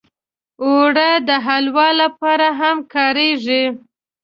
اوړه د حلوا لپاره هم کارېږي